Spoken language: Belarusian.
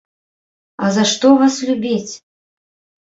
А за што вас любіць?